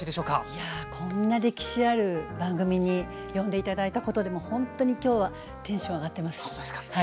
いやこんな歴史ある番組に呼んで頂いたことでもうほんとに今日はテンション上がってます。